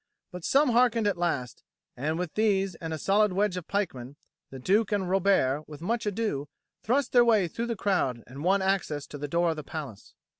But some hearkened at last; and with these and a solid wedge of the pikemen, the Duke and Robert, with much ado, thrust their way through the crowd and won access to the door of the palace.